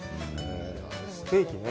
ステーキね。